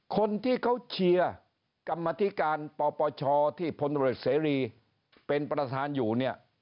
คนที่เขาเชียร์กรรมธิการปปชที่พลตรวจเสรีเป็นประธานอยู่เนี่ย